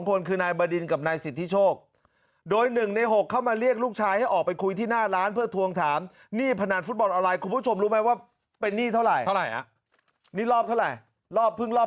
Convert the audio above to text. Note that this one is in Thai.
เป็นนี่เท่าไหร่เท่าไหร่อ่ะนี่รอบเท่าไหร่รอบเพิ่งรอบ